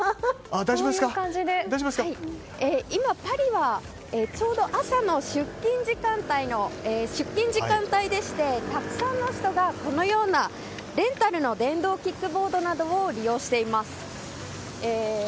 今、パリはちょうど朝の出勤時間帯でしてたくさんの人がこのようなレンタルの電動キックボードなどを利用しています。